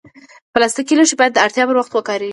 پلاستيکي لوښي باید د اړتیا پر وخت وکارېږي.